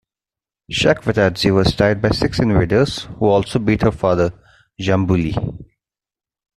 Chakvetadze was tied by six invaders who also beat her father, Djambuli.